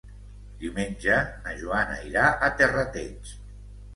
Diumenge na Joana irà a Terrateig.